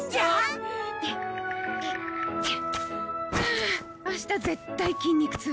ああ明日絶対筋肉痛。